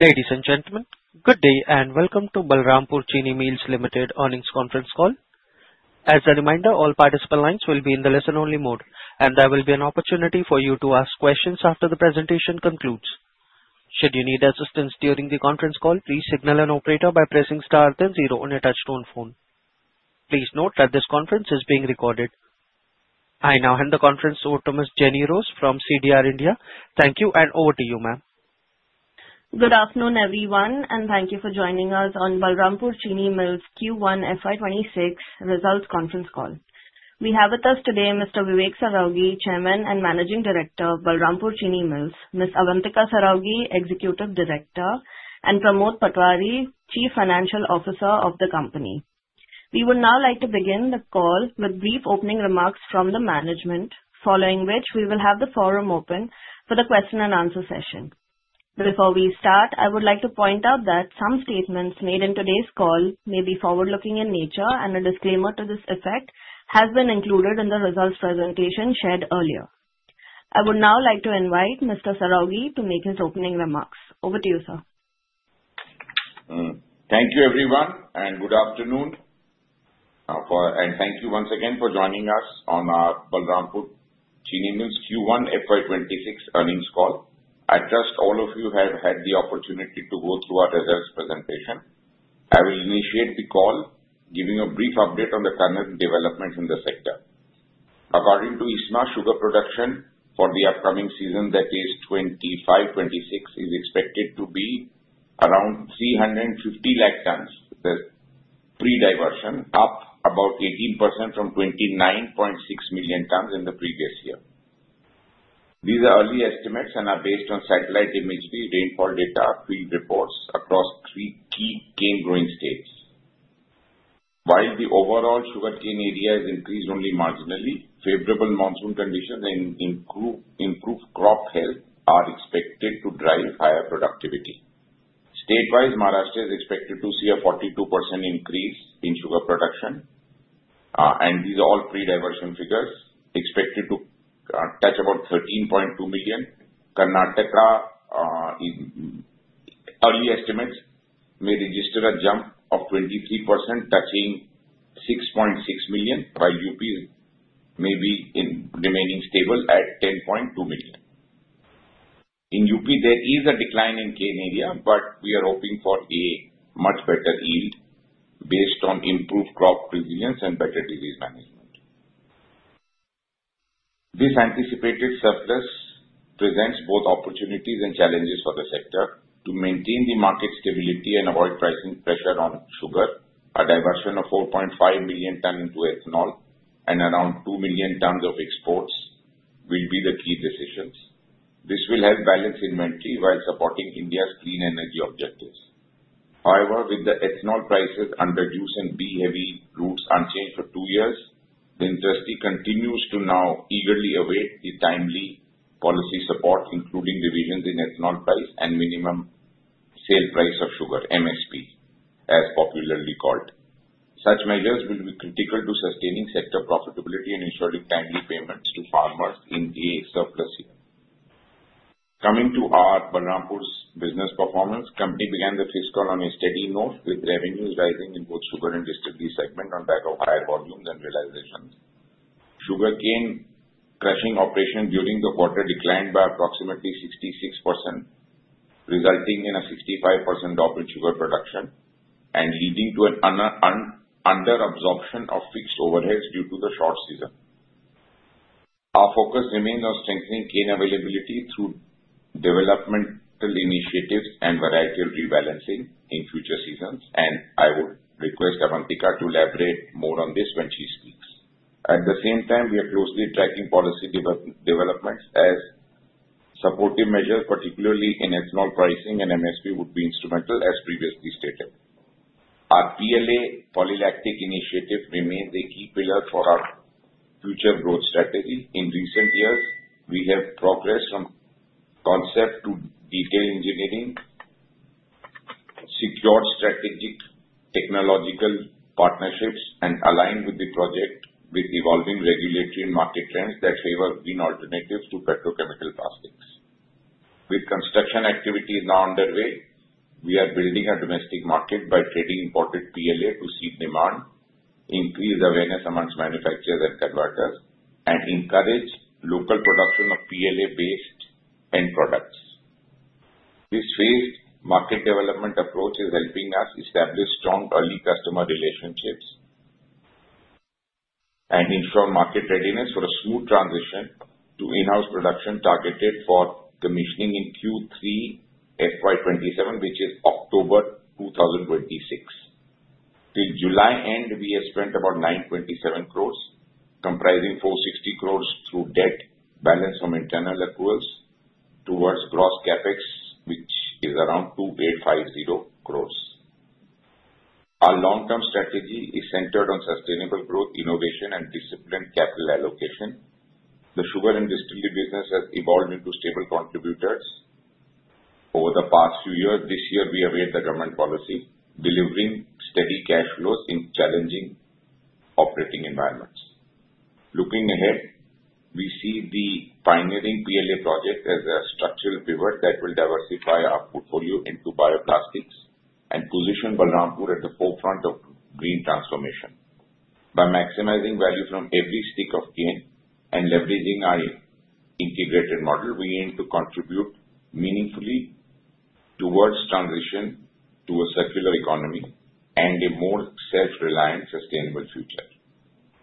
Ladies and gentlemen, good day and welcome to Balrampur Chini Mills Limited's Earnings Conference Call. As a reminder, all participant lines will be in the listen-only mode, and there will be an opportunity for you to ask questions after the presentation concludes. Should you need assistance during the conference call, please signal an operator by pressing star one zero on your touchtone phone. Please note that this conference is being recorded. I now hand the conference to Thomas Jenny-Rose from CDR India. Thank you, and over to you, ma'am. Good afternoon, everyone, and thank you for joining us on Balrampur Chini Mills Q1 FY 2026 Results Conference Call. We have with us today Mr. Vivek Saraogi, Chairman and Managing Director of Balrampur Chini Mills Ms. Avantika Saraogi, Executive Director, and Pramod Patwari, Chief Financial Officer of the company. We would now like to begin the call with brief opening remarks from the management, following which we will have the forum open for the question and answer session. Before we start, I would like to point out that some statements made in today's call may be forward-looking in nature, and a disclaimer to this effect has been included in the results presentation shared earlier. I would now like to invite Mr. Saraogi to make his opening remarks. Over to you, sir. Thank you, everyone, and good afternoon. Thank you once again for joining us on our Balrampur Chini Mills Q1 FY 2026 earnings call. I trust all of you have had the opportunity to go through our results presentation. I will initiate the call, giving a brief update on the current developments in the sector. According to ISMA, sugar production for the upcoming season, that is 2025-2026, is expected to be around 350 lakes tonnes per free diversion, up about 18% from 29.6 million tonnes in the previous year. These are early estimates and are based on satellite imagery, rainfall data, and field reports across three key cane-growing states. While the overall sugarcane area has increased only marginally, favorable monsoon conditions and improved crop health are expected to drive higher productivity. State wise, Maharashtra is expected to see a 42% increase in sugar production, and these are all free diversion figures expected to touch about 13.2 million. Karnataka, in early estimates, may register a jump of 23%, touching 6.6 million, while UP may be remaining stable at 10.2 million. In UP, there is a decline in cane area, but we are hoping for a much better yield based on improved crop resilience and better disease and pest management. This anticipated surplus presents both opportunities and challenges for the sector to maintain market stability and avoid pricing pressure on sugar. A diversion of 4.5 million tonnes into ethanol and around 2 million tonnes of exports will be the key decisions. This will help balance inventory while supporting India's clean energy objectives. However, with the ethanol prices under juice and B-heavy routes unchanged for two years, the industry continues to now eagerly await the timely policy support, including revisions in ethanol price and minimum sale price of sugar, MSP, as popularly called. Such measures will be critical to sustaining sector profitability and ensuring timely payments to farmers in the surplus year. Coming to our Balrampur's business performance, the company began the fiscal on a steady note with revenues rising in both sugar and distributed segments on back of higher volume than realizations. Sugarcane crushing operations during the quarter declined by approximately 66%, resulting in a 65% drop in sugar production and leading to an under-absorption of fixed overheads due to the short season. Our focus remains on strengthening cane availability through developmental initiatives and variety of rebalancing in future seasons, and I would request Avantika to elaborate more on this when she speaks. At the same time, we are closely tracking policy developments as supportive measures, particularly in ethanol pricing and MSP, would be instrumental, as previously stated. Our PLA polylactic initiative remains a key pillar for our future growth strategy. In recent years, we have progressed from concept to detail engineering, secured strategic technology partnerships, and aligned the project with evolving regulatory and market trends that favor green alternatives to petrochemical plastics. With construction activities now underway, we are building our domestic market by trading imported PLA to seed demand, increase awareness amongst manufacturers and coworkers, and encourage local production of PLA-based end products. This phased market development approach is helping us establish strong early customer relationships and ensure market readiness for a smooth transition to in-house production targeted for commissioning in Q3 FY 2027, which is October 2026. Till July end, we have spent about 927 crore, comprising 460 crore through debt balanced from internal accruals towards gross CapEx, which is around 2.50 crore. Our long-term strategy is centered on sustainable growth, innovation, and disciplined capital allocation. The sugar and distillery business has evolved into stable contributors over the past few years. This year, we await the government policy delivering steady cash flows in challenging operating environments. Looking ahead, we see the pioneering PLA project as a structural pivot that will diversify our portfolio into bioplastics and position Balrampur'sat the forefront of green transformation. By maximizing value from every stick of cane and leveraging our integrated model, we aim to contribute meaningfully towards transition to a circular economy and a more self-reliant sustainable future.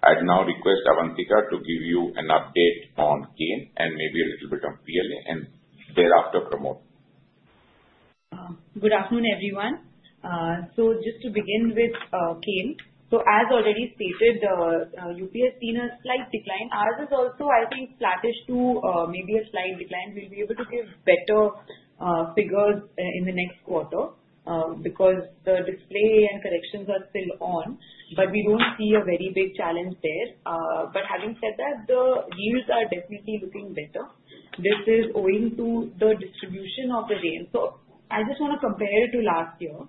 I'd now request Avantika to give you an update on cane and maybe a little bit on PLA and thereafter Pramod. Good afternoon, everyone. Just to begin with, cane. As already stated, UP has seen a slight decline. Ours is also, I think, flattish to maybe a slight decline. We'll be able to give better figures in the next quarter because the display and corrections are still on, but we won't see a very big challenge there. Having said that, the yields are definitely looking better. This is owing to the distribution of the rain. I just want to compare it to last year.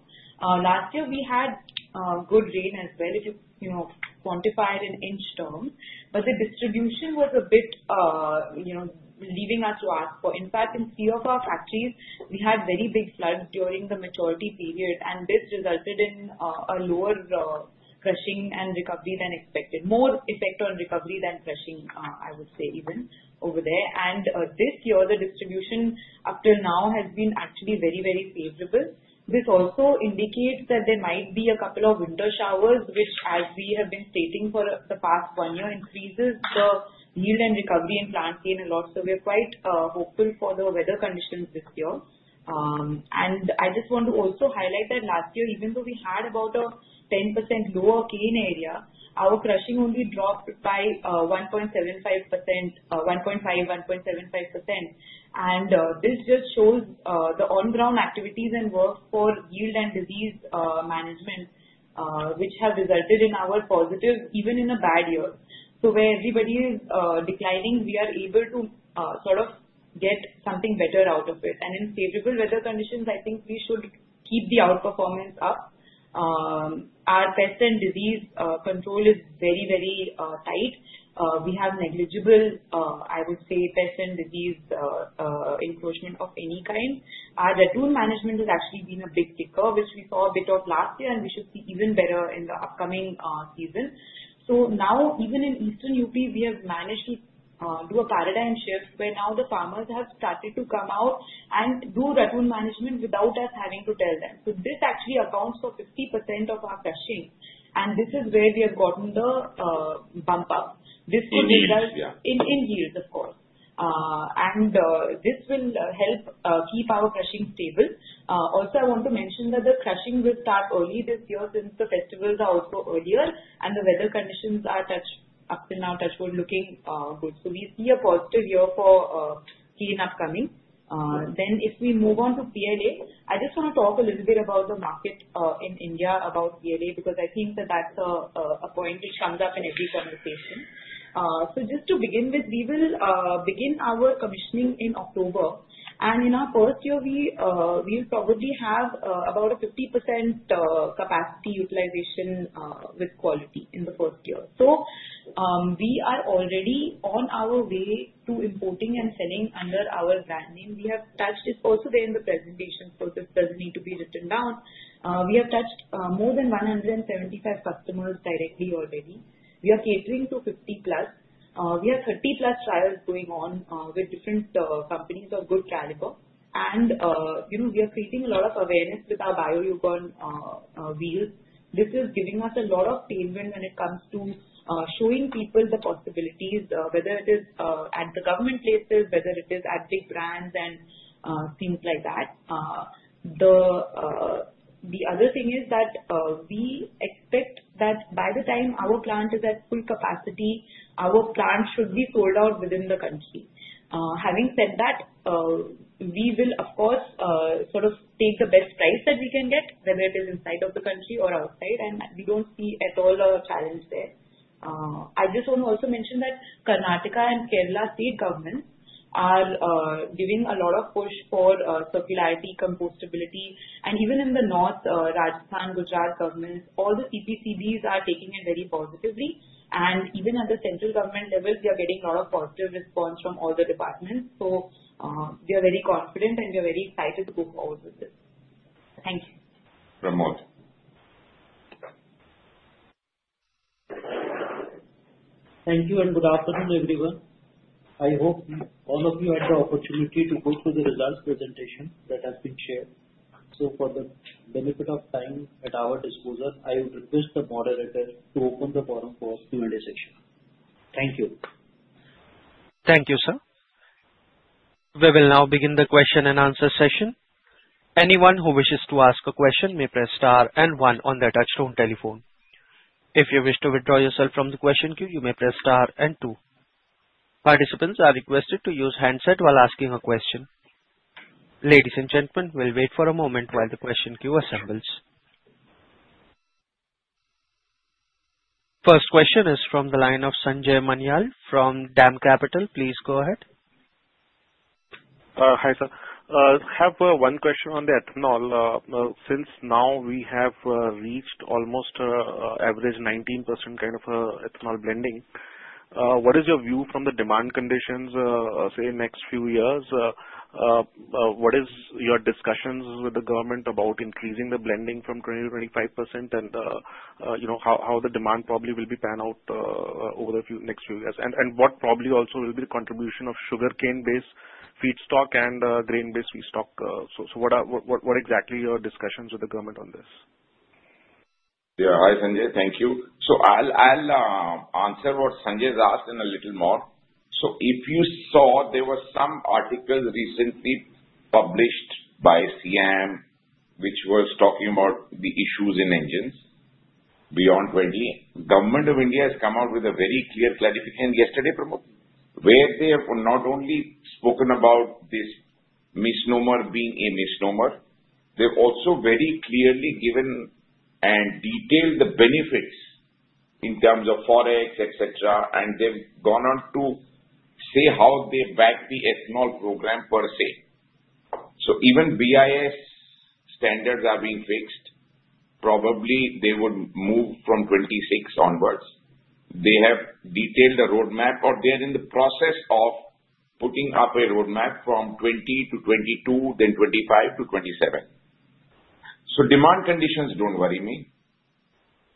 Last year we had good rain as well if you quantify it in inch term, but the distribution was a bit, you know, leaving us to ask for. In fact, in three of our factories, we had very big floods during the maturity period, and this resulted in a lower crushing and recovery than expected. More effect on recovery than crushing, I would say even over there. This year, the distribution up till now has been actually very, very favorable. This also indicates that there might be a couple of winter showers, which, as we have been stating for the past one year, increases the yield and recovery in plant cane a lot. We're quite hopeful for the weather conditions this year. I just want to also highlight that last year, even though we had about a 10% lower cane area, our crushing only dropped by 1.5%, 1.75%. This just shows the on-ground activities and work for yield and disease management, which have resulted in our positive, even in a bad year. Where everybody is declining, we are able to sort of get something better out of it. In favorable weather conditions, I think we should keep the outperformance up. Our pest and disease control is very, very tight. We have negligible, I would say, pest and disease encroachment of any kind. Our tool management has actually been a big kicker, which we saw a bit of last year, and we should see even better in the upcoming season. Now, even in Eastern UP, we have managed to do a paradigm shift where now the farmers have started to come out and do ratoon management without us having to tell them. This actually accounts for 50% of our crushing, and this is where we have gotten the bump up. This will result in yields, of course, and this will help keep our crushing stable. Also, I want to mention that the crushing did start early this year since the festivals are also earlier, and the weather conditions are, up till now, touch wood, looking good. We see a positive year for cane upcoming. If we move on to PLA, I just want to talk a little bit about the market in India about PLA because I think that's a point which comes up in every conversation. Just to begin with, we will begin our commissioning in October. In our first year, we'll probably have about a 50% capacity utilization, with quality in the first year. We are already on our way to importing and selling under our brand name. We have touched it also there in the presentation, so this doesn't need to be written down. We have touched more than 175 customers directly already. We are catering to 50+. We have 30+ trials going on with different companies of good caliber. We are creating a lot of awareness with our Bio Icon wheels. This is giving us a lot of tailwind when it comes to showing people the possibilities, whether it is at the government places, at big brands, and things like that. The other thing is that we expect that by the time our plant is at full capacity, our plant should be sold out within the country. Having said that, we will, of course, sort of take the best price that we can get, whether it is inside of the country or outside, and we don't see at all a challenge there. I just want to also mention that Karnataka and Kerala state governments are giving a lot of push for circularity, compostability. Even in the north, Rajasthan, Gujarat governments, all the CPCBs are taking it very positively. Even at the central government level, we are getting a lot of positive response from all the departments. We are very confident, and we are very excited to move forward with it. Thank you. Thank you, and good afternoon, everyone. I hope all of you had the opportunity to put through the results presentation that has been shared. For the benefit of time at our disposal, I will request the moderator to open the forum for Q&A session. Thank you. Thank you, sir. We will now begin the question-and-answer session. Anyone who wishes to ask a question may press star and one on their touchtone telephone. If you wish to withdraw yourself from the question queue, you may press star and two. Participants are requested to use handsets while asking a question. Ladies and gentlemen, we'll wait for a moment while the question queue assembles. The first question is from the line of Sanjay Manial from DAM Capital. Please go ahead. Hi, sir. I have one question on the ethanol. Since now we have reached almost an average 19% kind of ethanol blending, what is your view from the demand conditions, say, next few years? What are your discussions with the government about increasing the blending from 20%-25%, and how the demand probably will be panned out over the next few years? What probably also will be the contribution of sugarcane-based feedstock and grain-based feedstock? What exactly are your discussions with the government on this? Yeah, hi, Sanjay. Thank you. I'll answer what Sanjay's asked in a little more. If you saw, there were some articles recently published by CIAM, which was talking about the issues in engines beyond 20. The Government of India has come out with a very clear clarification yesterday, Pramod, where they have not only spoken about this misnomer being a misnomer, they've also very clearly given and detailed the benefits in terms of forex, etc. They've gone on to say how they back the ethanol program per se. Even BIS standards are being fixed. Probably they would move from 26 onwards. They have detailed a roadmap, or they are in the process of putting up a roadmap from 20-22, then 25-27. Demand conditions don't worry me.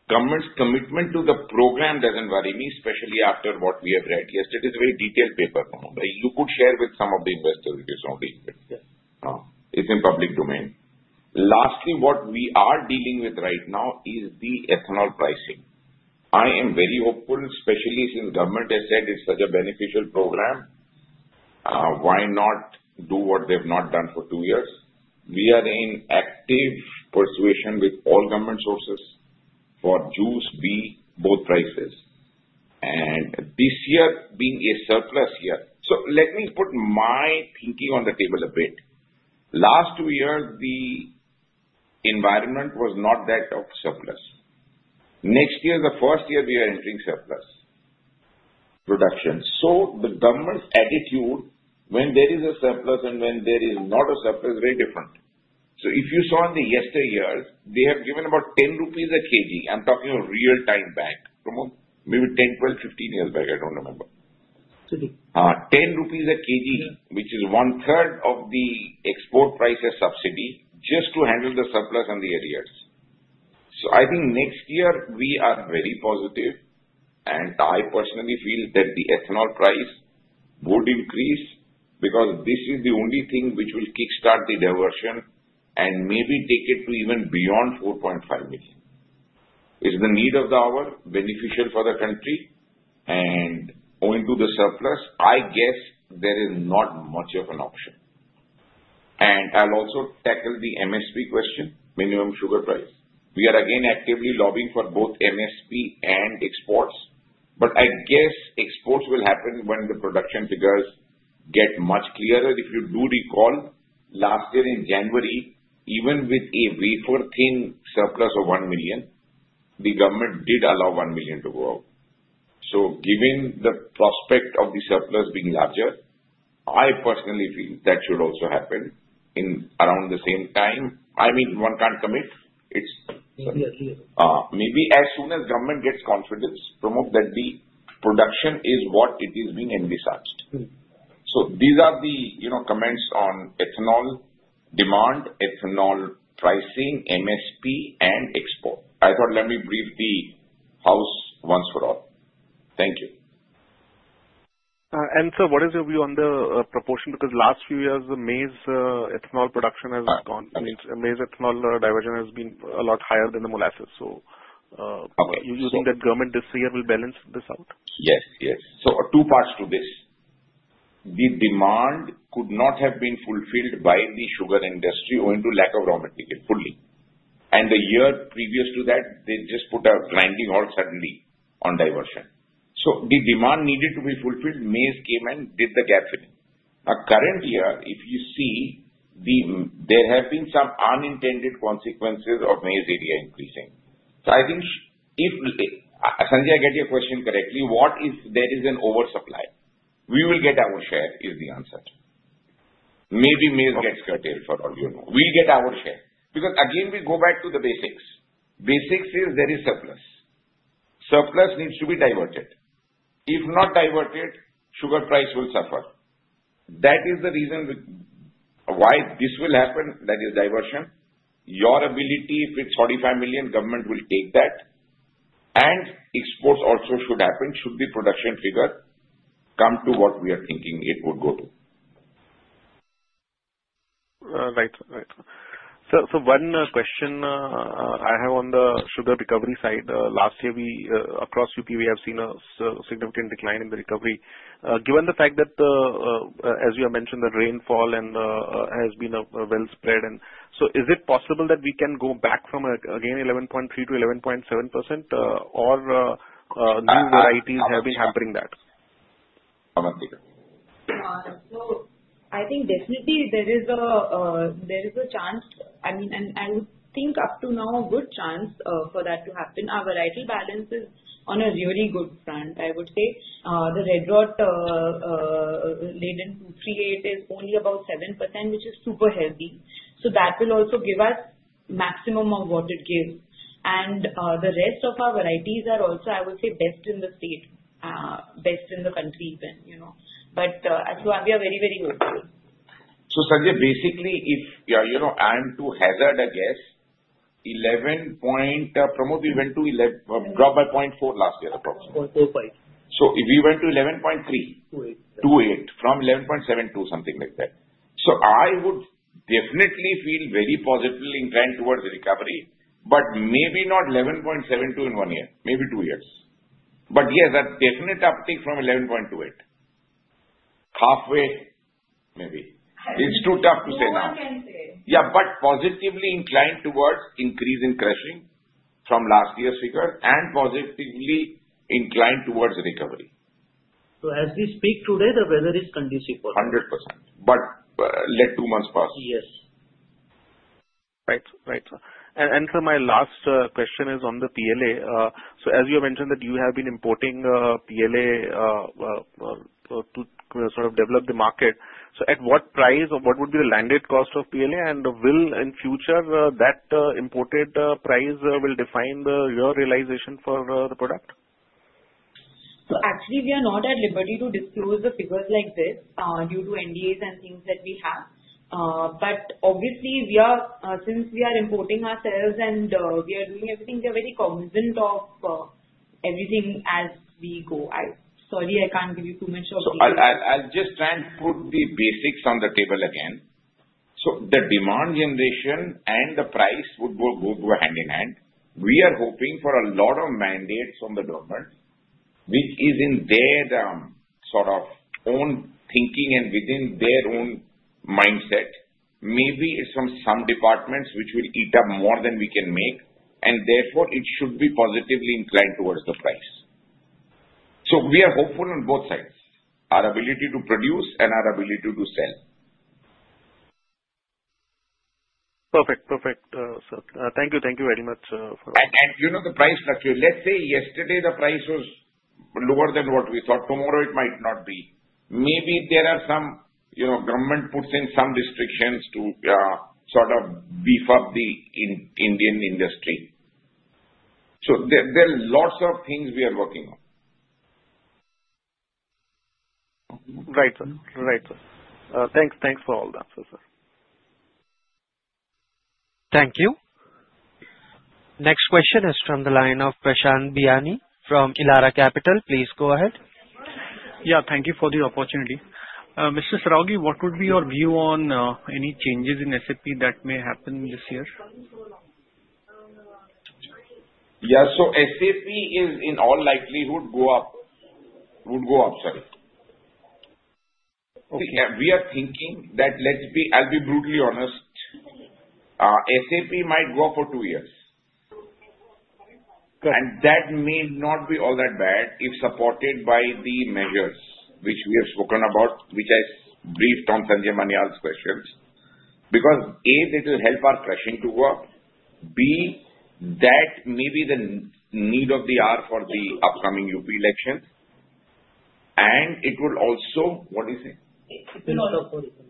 Government's commitment to the program doesn't worry me, especially after what we have read yesterday. It's a very detailed paper. You could share with some of the investors if you sought the interest. It's in public domain. Lastly, what we are dealing with right now is the ethanol pricing. I am very hopeful, especially since the government has said it's such a beneficial program. Why not do what they've not done for two years? We are in active persuasion with all government sources for juice, B, both prices. This year being a surplus year. Let me put my thinking on the table a bit. Last year, the environment was not that of surplus. Next year, the first year we are entering surplus production. The government's attitude when there is a surplus and when there is not a surplus is very different. If you saw in the yesteryears, they have given about 10 rupees a kg, I'm talking a real time back, Pramod, maybe 10, 12, 15 years back, I don't remember. The 10 rupees a kg, which is one-third of the export prices subsidy, just to handle the surplus and the arrears. I think next year we are very positive, and I personally feel that the ethanol price would increase because this is the only thing which will kickstart the diversion and maybe take it to even beyond 4.5 million. It is the need of the hour, beneficial for the country. Owing to the surplus, I guess there is not much of an option. I'll also tackle the MSP question, minimum sale price of sugar. We are again actively lobbying for both MSP and exports, but I guess exports will happen when the production figures get much clearer. If you do recall, last year in January, even with a wafer-thin surplus of 1 million, the government did allow 1 million to go out. Given the prospect of the surplus being larger, I personally feel that should also happen around the same time. I mean, one can't commit. It's maybe as soon as government gets confidence, Pramod, that the production is what it is being envisaged. These are the comments on ethanol demand, ethanol pricing, MSP, and export. I thought let me brief the house once for all. Thank you. What is your view on the proportion? Because last few years, the maize ethanol production has gone, I mean, maize ethanol diversion has been a lot higher than the molasses. Do you think that government this year will balance this out? Yes, yes. Two parts to this. The demand could not have been fulfilled by the sugar industry owing to lack of raw material fully. The year previous to that, they just put a grinding halt suddenly on diversion. The demand needed to be fulfilled. Maize came and did the gathering. A current year, if you see, there have been some unintended consequences of maize area increasing. I think if, Sanjay, I get your question correctly, what if there is an oversupply? We will get our share, is the answer. Maybe maize gets curtailed for a little. We get our share because, again, we go back to the basics. Basics is there is surplus. Surplus needs to be diverted. If not diverted, sugar price will suffer. That is the reason why this will happen. That is diversion. Your ability, if it's 45 million, government will take that. Exports also should happen, should the production figure come to what we are thinking it would go to. Right, right. One question I have on the sugar recovery side. Last year, across UP, we have seen a significant decline in the recovery. Given the fact that, as you have mentioned, the rainfall has been well spread, is it possible that we can go back from 11.3%-11.7%, or have new varieties been hampering that? Avantika. I think definitely there is a chance. I mean, I would think up to now a good chance for that to happen. Our variety balance is on a really good front, I would say. The red rot laden tree is only about 7%, which is super healthy. That will also give us maximum of what it gives. The rest of our varieties are also, I would say, best in the state, best in the country, you know. We are very, very good. Sanjay, if you know, I'm to hazard a guess, 11.0. Pramod, we went to 11, dropped by 0.4 last year, approximately. 0.4. We went to 11.3. 2.8. 2.8 from 11.72, something like that. I would definitely feel very positively inclined towards recovery, but maybe not 11.72 in one year, maybe two years. Yes, that's definitely uptick from 11.28. Halfway, maybe. It's too tough to say now. Yeah, positively inclined towards increase in crushing from last year's figure and positively inclined towards recovery. As we speak today, the weather is conducive for that. 100%. Let two months pass. Yes, right. My last question is on the PLA. As you have mentioned that you have been importing PLA to sort of develop the market, at what price or what would be the landed cost of PLA, and will in future that imported price define your realization for the product? Actually, we are not at liberty to disclose the figures like this due to NDAs and things that we have. Obviously, since we are importing ourselves and we are doing everything, we are very cognizant of everything as we go. Sorry, I can't give you too much of detail. I'll just try and put the basics on the table again. The demand generation and the price would go hand in hand. We are hoping for a lot of mandates from the government, which is in their sort of own thinking and within their own mindset. Maybe it's from some departments which will eat up more than we can make, and therefore, it should be positively inclined towards the price. We are hopeful on both sides, our ability to produce and our ability to sell. Perfect, sir. Thank you very much for. You know the price structure. Yesterday the price was lower than what we thought. Tomorrow it might not be. Maybe the government puts in some restrictions to sort of beef up the Indian industry. There are lots of things we are working on. Right, right. Thanks. Thanks for all that, sir. Thank you. Next question is from the line of Prashanth Biyani from Elara Capital. Please go ahead. Yeah, thank you for the opportunity. Mr. Saraogi, what would be your view on any changes in SAP that may happen this year? Yeah, SAP in all likelihood would go up, sorry. I'll be brutally honest, SAP might go up for two years. That may not be all that bad if supported by the measures which we have spoken about, which I briefed on Sanjay Manyal questions, because A, they will help our crushing to go up. B, that may be the need of the hour for the upcoming UP elections. It will also, what is it?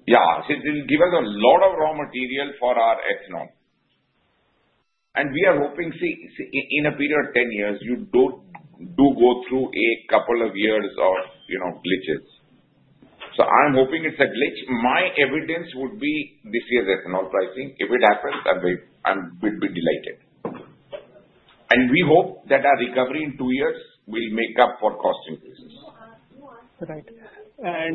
Yeah, it will give us a lot of raw material for our ethanol. We are hoping, in a period of 10 years, you don't go through a couple of years of glitches. I'm hoping it's a glitch. My evidence would be this year's ethanol pricing. If it happens, I'm a bit delighted. We hope that our recovery in two years will make up for cost increases. Right.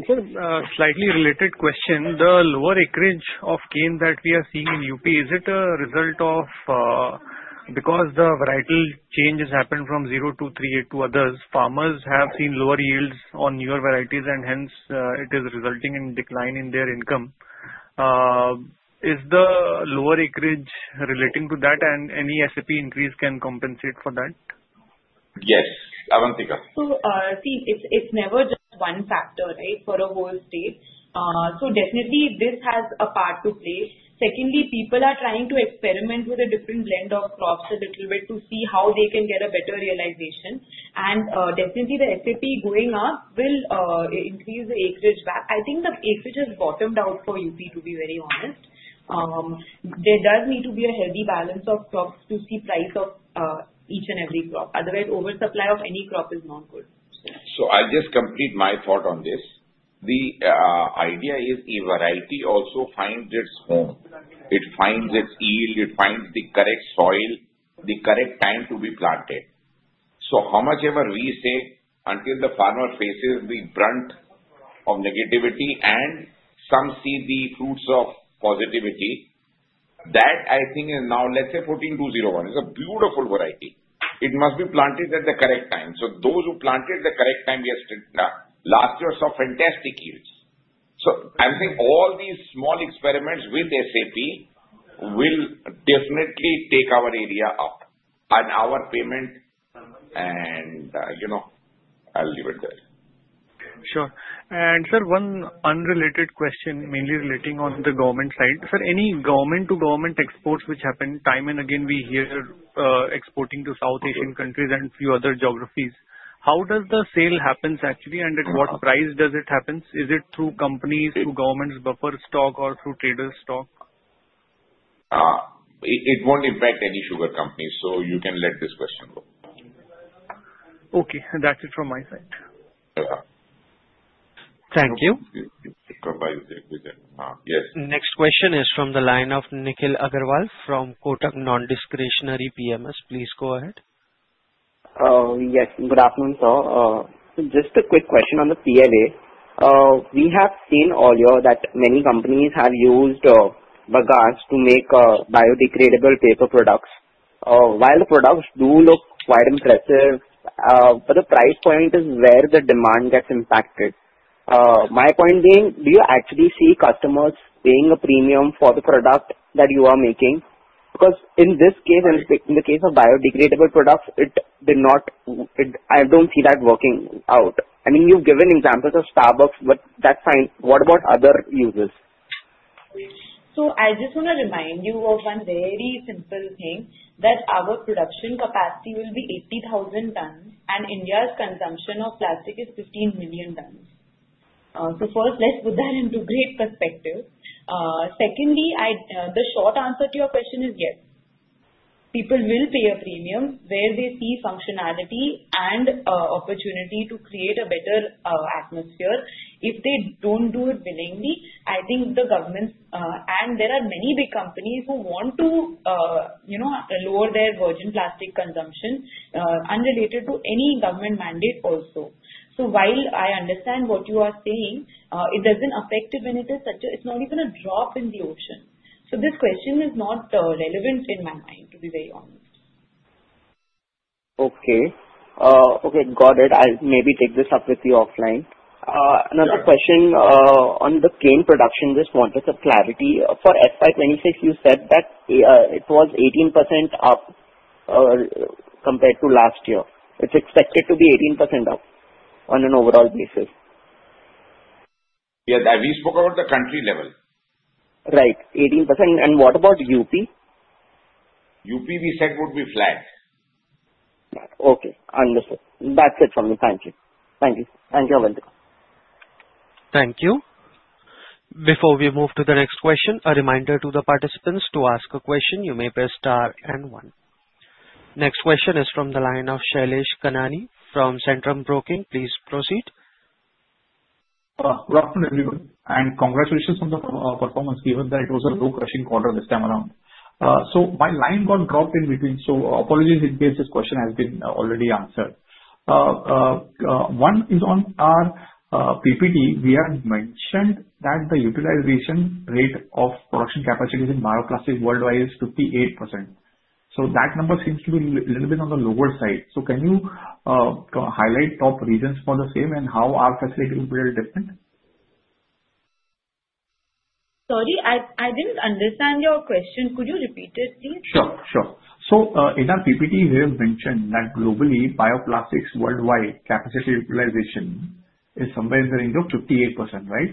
Sir, slightly related question, the lower acreage of cane that we are seeing in UP, is it a result of because the varietal changes happen from 0238 to others, farmers have seen lower yields on newer varieties, and hence it is resulting in a decline in their income? Is the lower acreage relating to that, and any SAP increase can compensate for that? Yes, Awantika. I've seen it's never just one factor, right, for a whole state. This has a part to play. People are trying to experiment with a different blend of crops a little bit to see how they can get a better realization. The SAP going up will increase the acreage back. I think the acreage has bottomed out for UP, to be very honest. There does need to be a healthy balance of crops to see the price of each and every crop. Otherwise, oversupply of any crop is not good. I'll just complete my thought on this. The idea is a variety also finds its home. It finds its yield. It finds the correct soil, the correct time to be planted. How much ever we say, until the farmer faces the brunt of negativity and some see the fruits of positivity, that I think is now. Let's say 14201 is a beautiful variety. It must be planted at the correct time. Those who planted at the correct time last year saw fantastic yields. I think all these small experiments with SAP will definitely take our area up and our payment. I'll leave it there. Sure. Sir, one unrelated question, mainly relating on the government side. Sir, any government-to-government exports which happen time and again, we hear exporting to South Asian countries and a few other geographies, how does the sale happen actually and at what price does it happen? Is it through companies, through government's buffer stock, or through trader stock? It won't impact any sugar companies. You can let this question go. Okay. That's it from my side. Thank you. Next question is from the line of Nikhil Agarwal from Kotak Non-Discretionary PMS. Please go ahead. Yes, good afternoon, sir. Just a quick question on the PLA. We have seen earlier that many companies have used bagasse to make biodegradable paper products. While the products do look quite impressive, the price point is where the demand gets impacted. My point being, do you actually see customers paying a premium for the product that you are making? Because in this case, in the case of biodegradable products, I don't see that working out. I mean, you've given examples of Starbucks, that's fine. What about other uses? I just want to remind you of one very simple thing that our production capacity will be 80,000 tonnes and India's consumption of plastic is 15 million tonnes. First, let's put that into a great perspective. The short answer to your question is yes. People will pay a premium where they see functionality and opportunity to create a better atmosphere. If they don't do it willingly, I think the governments, and there are many big companies who want to lower their virgin plastic consumption unrelated to any government mandate also. While I understand what you are saying, it doesn't affect it when it is such a, it's not even a drop in the ocean. This question is not relevant in my mind, to be very honest. Okay, got it. I'll maybe take this up offline. Another question on the cane production, just wanted some clarity. For FY 2026, you said that it was 18% up compared to last year. It's expected to be 18% up on an overall basis. Yeah, we spoke about the country level. Right, 18%. What about UP? UP, we said would be flat. Okay, understood. That's it for me. Thank you. Thank you. You're welcome. Thank you. Before we move to the next question, a reminder to the participants to ask a question. You may press star and one. Next question is from the line of Shalesh Kanani from Centrum Broking. Please proceed. Welcome, everyone, and congratulations on the performance given that it was a low crushing quarter this time around. My line got dropped in between. Apologies in case this question has been already answered. One is on our PPT. We have mentioned that the utilization rate of production capacities in bioplastics worldwide is 58%. That number seems to be a little bit on the lower side. Can you highlight top reasons for the same and how our facility will be very different? Sorry, I didn't understand your question. Could you repeat it, please? Sure. In our PPT, we have mentioned that globally, bioplastics worldwide capacity utilization is somewhere in the range of 58%, right?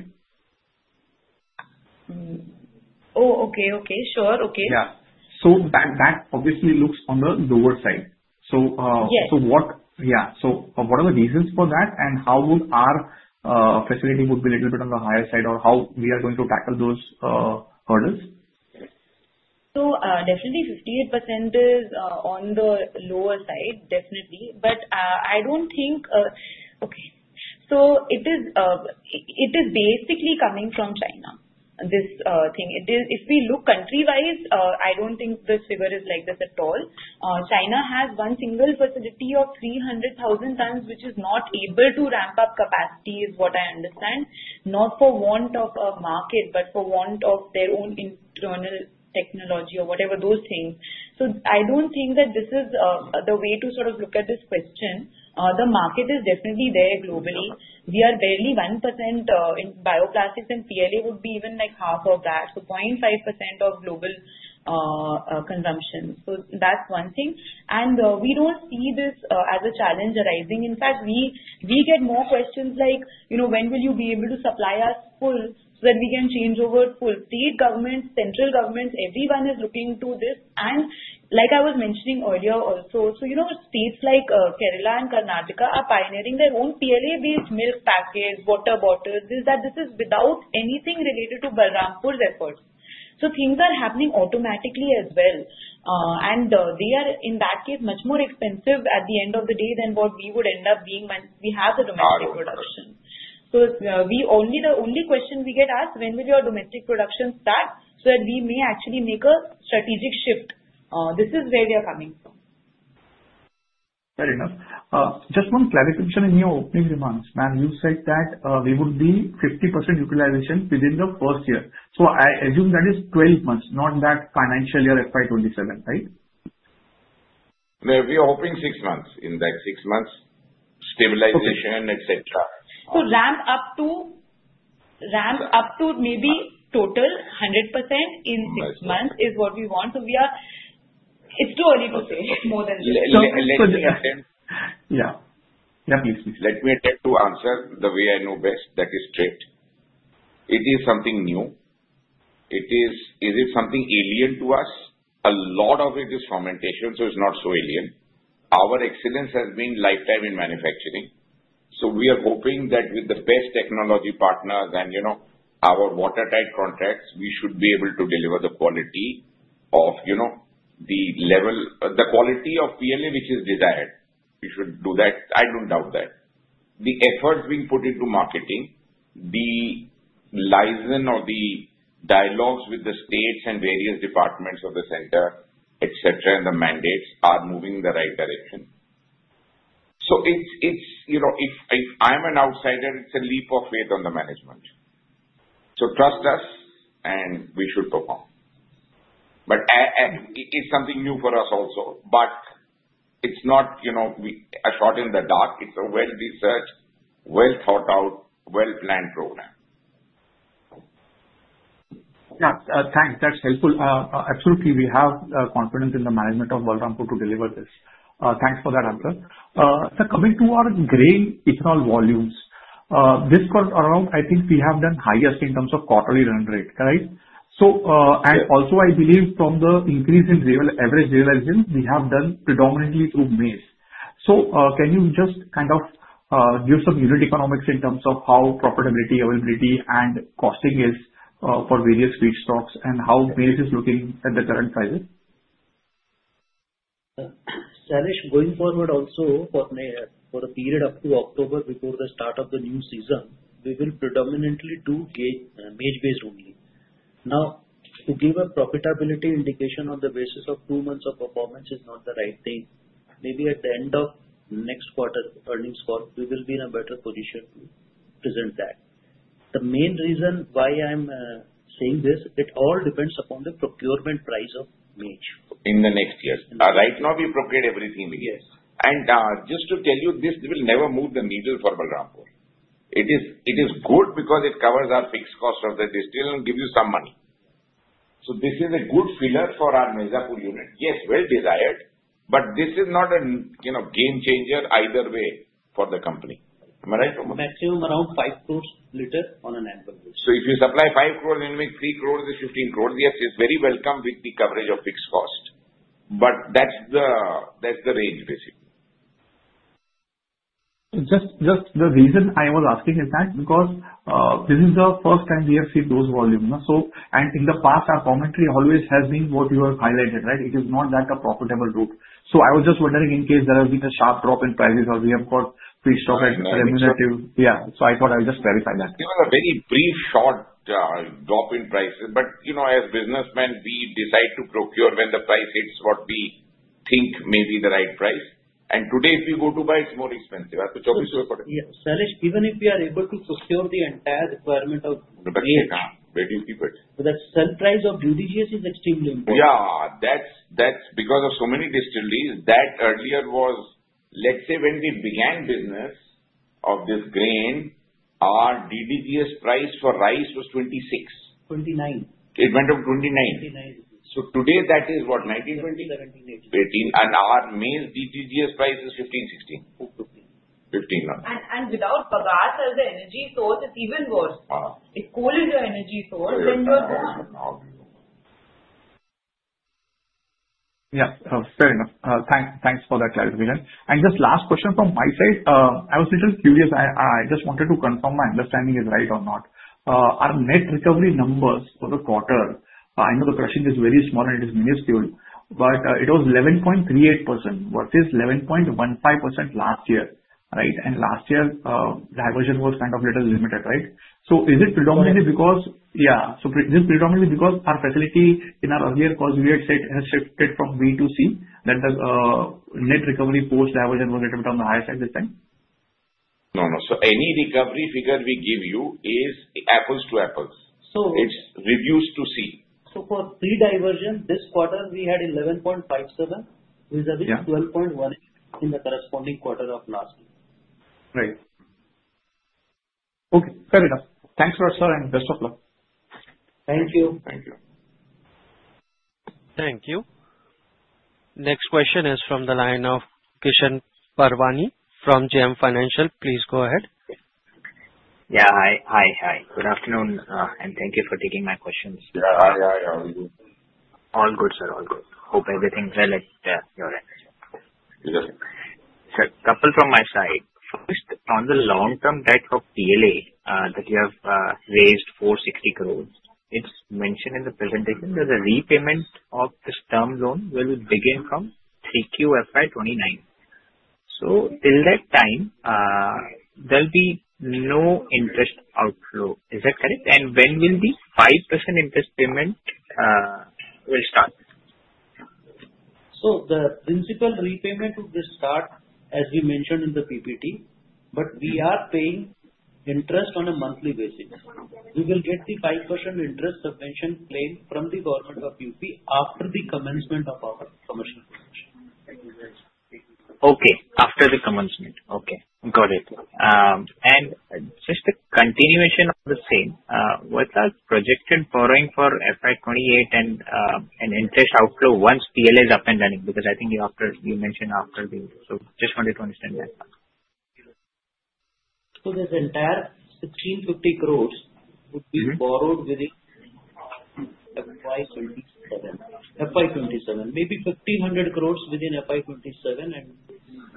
Okay, sure, okay. Yeah, that obviously looks on the lower side. What are the reasons for that, and how would our facility be a little bit on the higher side, or how are we going to tackle those hurdles? Definitely, 58% is on the lower side, definitely. I don't think, okay, it is basically coming from China, this thing. If we look countrywide, I don't think this figure is like this at all. China has one single facility of 300,000 tonnes, which is not able to ramp up capacity, is what I understand, not for want of a market, but for want of their own internal technology or whatever those things. I don't think that this is the way to sort of look at this question. The market is definitely there globally. We are barely 1% in bioplastics, and PLA would be even like half of that, so 0.5% of global consumption. That's one thing. We don't see this as a challenge arising. In fact, we get more questions like, you know, when will you be able to supply us full so that we can change over to full? State governments, central governments, everyone is looking to this. Like I was mentioning earlier also, states like Kerala and Karnataka are pioneering their own PLA-based milk packages, butter bottles. This is without anything related to Balrampur effort. Things are happening automatically as well. They are, in that case, much more expensive at the end of the day than what we would end up being when we have the domestic production. It's the only question we get asked, when will your domestic production start so that we may actually make a strategic shift? This is where we are coming from. Fair enough. Just one clarification in your opening remarks, ma'am. You said that we would be at 50% utilization within the first year. I assume that is 12 months, not that financial year FY 2027, right? We are hoping six months in, that six months stabilization, etc. We want to ramp up to maybe total 100% in six months. It's too early to say more than six months. Yeah, please, please. Let me answer the way I know best. That is straight. It is something new. Is it something alien to us? A lot of it is fermentation, so it's not so alien. Our excellence has been lifetime in manufacturing. We are hoping that with the best technology partners and our watertight contracts, we should be able to deliver the quality of, you know, the level, the quality of PLA, which is desired. We should do that. I don't doubt that. The efforts being put into marketing, the liaison or the dialogues with the states and various departments of the sector, etc., and the mandates are moving in the right direction. If I'm an outsider, it's a leap of faith on the management. Trust us, and we should perform. It's something new for us also. It's not a shot in the dark. It's a well-researched, well-thought-out, well-planned program. Yeah, thanks. That's helpful. Absolutely. We have confidence in the management of Balrampur to deliver this. Thanks for that answer. Coming to our gray ethanol volumes, this quarter around, I think we have done highest in terms of quarterly run rate, right? I believe from the increase in average utilization, we have done predominantly through maize. Can you just kind of give some unit economics in terms of how profitability, availability, and costing is for various feedstocks and how maize is looking at the current prices? Sanjay, going forward also for a period up to October before the start of the new season, we will predominantly do maize-based only. To give a profitability indication on the basis of two months of performance is not the right thing. Maybe at the end of next quarter earnings quarter, we will be in a better position to present that. The main reason why I'm saying this, it all depends upon the procurement price of maize In the next years. Right now, we procure everything we can. Just to tell you, this will never move the needle for Balrampur. It is good because it covers our fixed costs of the distillers and gives you some money. This is a good filler for our MezaPool unit. Yes, well desired. This is not a game changer either way for the company. Maximum around 5 crores liters on an annual basis. If you supply 5 crore and then make 3 crore, it's 15 crore, yes, it's very welcome with the coverage of fixed cost. That's the range, basically. The reason I was asking is that this is the first time we have seen those volumes. In the past, our format always has been what you have highlighted, right? It is not that a profitable group. I was just wondering in case there has been a sharp drop in prices as we have got feedstock remunerative. I thought I would just clarify that. There are very brief, short drop in prices. As businessmen, we decide to procure when the price hits what we think may be the right price. Today, if you go to buy, it's more expensive. Even if we are able to secure the entire requirement of. That sell price of DDGS is extremely important. Yeah, that's because of so many distilleries. That earlier was, let's say, when we began business of this grain, our DDGS price for rice was 26. 29. It went up 29. 29. Today, that is what, 19, 20? 18. Our maize DDGS price is 15, 16, 15. Without Pagas, the energy source is even worse. It's cooling your energy source. Yeah. Oh, fair enough. Thanks. Thanks for that clarification. Just last question from my side. I was a little curious. I just wanted to confirm my understanding is right or not. Our net recovery numbers for the quarter, I know the crushing is very small and it is minuscule, but it was 11.38% verses 11.15% last year, right? Last year, diversion was kind of a little limited, right? Is it predominantly because, yeah, is it predominantly because our facility in our earlier calls, you had said it has shifted from B to C, that the net recovery post-diversion was a little bit on the higher side this time? No, no. Any recovery figure we give you is apples to apples. It's reduced to C. For pre-diversion, this quarter we had 11.57, vis-à-vis 12.1 in the corresponding quarter of last year. Okay. Fair enough. Thanks, sir, and best of luck. Thank you. Thank you. Next question is from the line of Krishan Parwani from JM Financial. Please go ahead. Hi, good afternoon, and thank you for taking my questions. All good, sir. All good. Hope everything's well at your end. A couple from my side. First, on the long-term debt of PLA that you have raised 460 crore, it's mentioned in the presentation that the repayments of the term loan will begin from Q4 FY 2019. Till that time, there'll be no interest outflow. Is that correct? When will the 5% interest payment start? Oh, the principal repayment will start, as you mentioned in the PPT, but we are paying interest on a monthly basis. We will get the 5% interest subvention claim from the government of UP after the commencement of our commercial project. Okay. After the commencement. Okay. Got it. Just the continuation of the same, what's our projected borrowing for FY 2028 and an interest outflow once PLA is up and running? Because I think after you mentioned after the, just wanted to understand that. It seems 50 crore would be borrowed within FY 2027. FY 2027, maybe INR 1,500 crore within FY 2027 and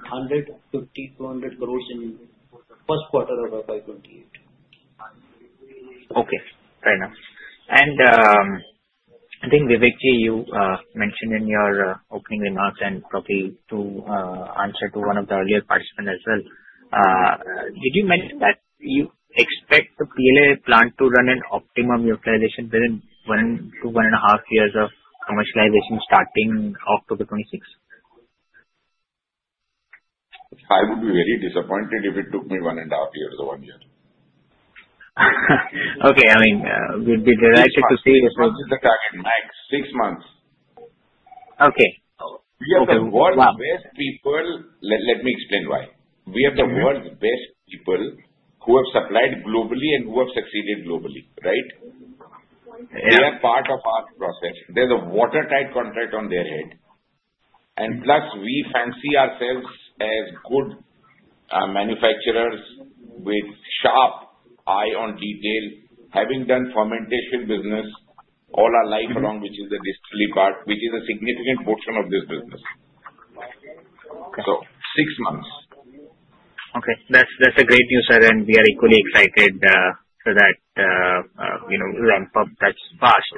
150 crore-200 crore in the first quarter of FY 2028. Okay. Fair enough. I think, Vivek, you mentioned in your opening remarks and probably in answer to one of the earlier participants as well. Did you mention that you expect the PLA plan to run at optimum utilization within one to one and a half years of commercialization starting October 2026? I would be very disappointed if it took me one and a half years or one year. Okay, I mean, we'd be delighted to see it if it was. Max, six months. Yeah, let me explain why. We have the world's best people who have supplied globally and who have succeeded globally, right? They are part of our process. There's a watertight contract on their head. Plus, we fancy ourselves as good manufacturers with a sharp eye on detail, having done fermentation business all our life along, which is the distillery part, which is a significant portion of this business. Six months. Okay. That's great news, sir, and we are equally excited for that ramp-up that's fast.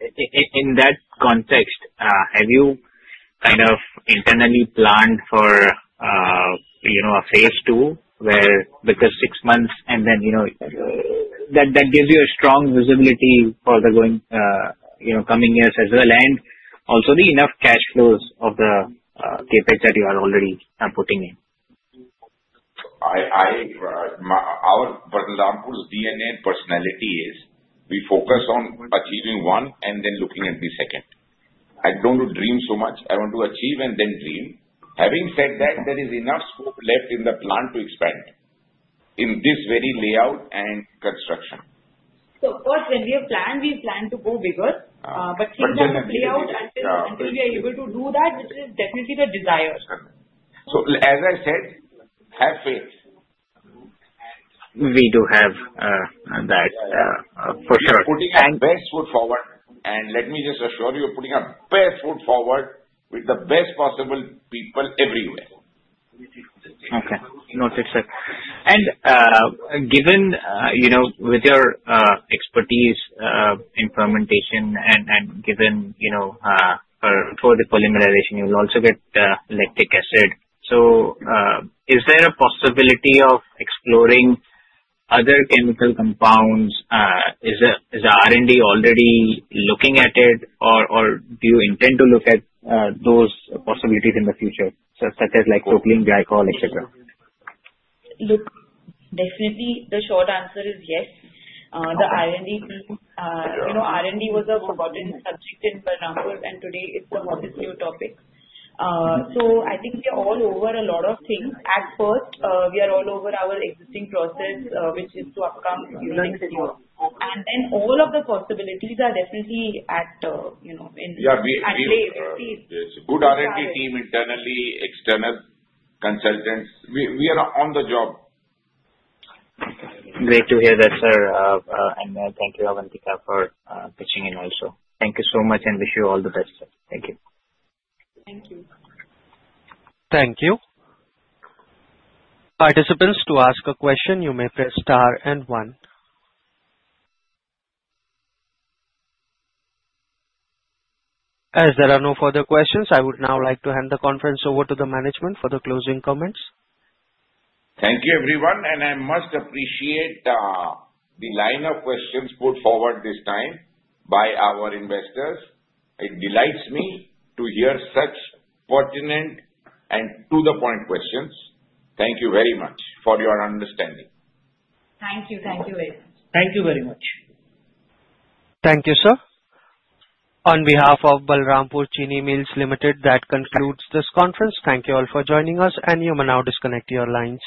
In that context, have you kind of internally planned for a phase two where the first six months, and then that gives you a strong visibility for the coming years as well and also enough cash flows for the CapEx that you are already putting in? Our Balrampur's DNA and personality is we focus on achieving one and then looking at the second. I don't want to dream so much. I want to achieve and then dream. Having said that, there is enough left in the plan to expand in this very layout and construction. Of course, when we have planned, we plan to go bigger, but change that layout until we are able to do that, which is definitely the desire. As I said, have failed. We do have that for sure. Putting our best foot forward, let me just assure you, putting our best foot forward with the best possible people everywhere. Okay. Noted, sir. Given your expertise in fermentation and given for the polymerization, you will also get lactic acid. Is there a possibility of exploring other chemical compounds? Is the R&D already looking at it, or do you intend to look at those possibilities in the future, such as propylene glycol, etc.? Definitely, the short answer is yes. The R&D piece, you know, R&D was a forgotten subject in Balrampur, and today it's the hottest new topic. I think we are all over a lot of things. At first, we are all over our existing process, which is to upcoming city work. All of the possibilities are definitely at play. Yeah, we have a good R&D team internally, external consultants. We are on the job. Great to hear that, sir. Thank you, Avantika, for pitching in our show. Thank you so much and wish you all the best. Thank you. Thank you. Participants, to ask a question, you may press star and one. As there are no further questions, I would now like to hand the conference over to the management for the closing comments. Thank you, everyone. I must appreciate the line of questions put forward this time by our investors. It delights me to hear such pertinent and to-the-point questions. Thank you very much for your understanding. Thank you. Thank you. Thank you very much. Thank you, sir. On behalf of Balrampur Chini Mills Limited, that concludes this conference. Thank you all for joining us, and you may now disconnect your lines.